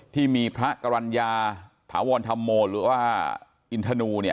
ที่มีพระกรรณญาถาวรธรรมโมหรือว่าอินทนูเนี่ย